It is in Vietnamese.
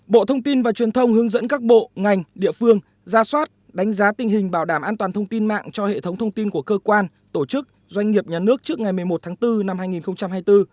bộ thông tin và truyền thông hướng dẫn các bộ ngành địa phương ra soát đánh giá tình hình bảo đảm an toàn thông tin mạng cho hệ thống thông tin của cơ quan tổ chức doanh nghiệp nhà nước trước ngày một mươi một tháng bốn năm hai nghìn hai mươi bốn